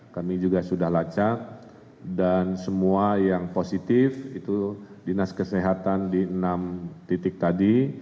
kami juga sudah lacak dan semua yang positif itu dinas kesehatan di enam titik tadi